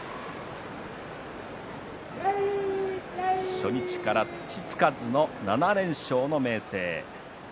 初日から、土つかずの７連勝の明生。